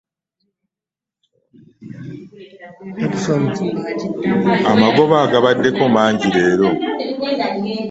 Amagoba gaabaddeko mangi leero.